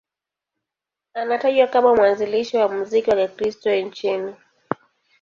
Anatajwa kama mwanzilishi wa muziki wa Kikristo nchini.